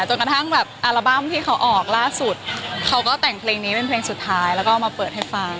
จนกระทั่งแบบอัลบั้มที่เขาออกล่าสุดเขาก็แต่งเพลงนี้เป็นเพลงสุดท้ายแล้วก็มาเปิดให้ฟัง